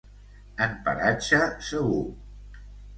En paratge segur.